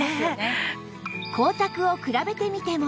光沢を比べてみても